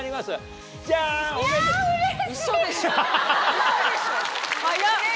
ウソでしょ？